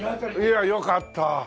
いやよかった。